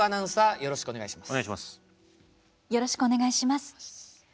よろしくお願いします。